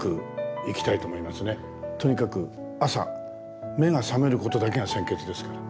とにかく朝目が覚めることだけが先決ですから。